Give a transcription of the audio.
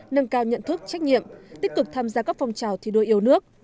nâng cao nhận thức trách nhiệm tích cực tham gia các phong trào thi đua yêu nước